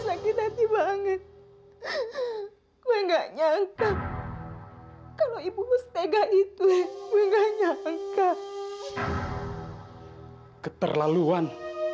sakit hati banget enggak nyangka kalau ibu mustega itu enggak nyangka keterlaluan